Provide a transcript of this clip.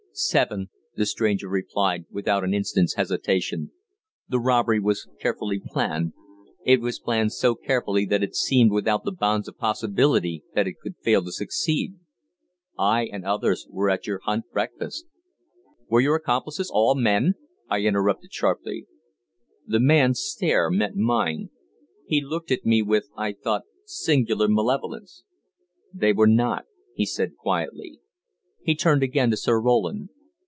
"Seven," the stranger replied, without an instant's hesitation. "The robbery was carefully planned; it was planned so carefully that it seemed without the bounds of possibility that it could fail to succeed. I and others were at your hunt breakfast " "Were your accomplices all men?" I interrupted sharply. The man's stare met mine. He looked at me with, I thought, singular malevolence. "They were not," he answered quietly. He turned again to Sir Roland.